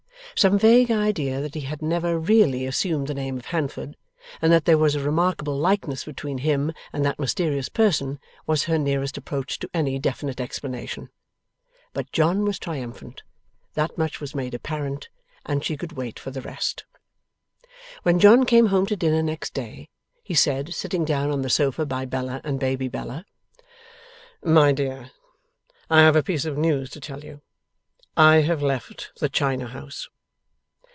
Some vague idea that he had never really assumed the name of Handford, and that there was a remarkable likeness between him and that mysterious person, was her nearest approach to any definite explanation. But John was triumphant; that much was made apparent; and she could wait for the rest. When John came home to dinner next day, he said, sitting down on the sofa by Bella and baby Bella: 'My dear, I have a piece of news to tell you. I have left the China House.